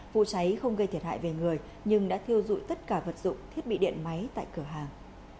vụ cháy không gây thiệt hại về người nhưng đã thiêu dụi tất cả vật dụng thiết bị điện máy tại cửa hàng